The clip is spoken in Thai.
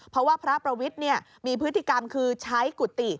เพราะว่าพระประวิทย์มีพฤติกรรมคือใช้กุฏิ